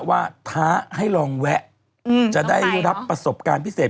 ท้าให้ลองแวะจะได้รับประสบการณ์พิเศษ